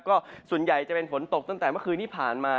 ก็ส่วนใหญ่จะเป็นฝนตกตั้งแต่เมื่อคืนที่ผ่านมา